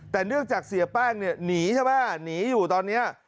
แต่เนื่องจากเสียแป้งเนี่ยหนีใช่ไหมหนีอยู่ตอนนี้